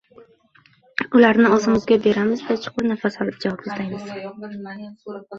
ularni o‘zimizga beramizda, chuqur nafas olib, javob izlaymiz.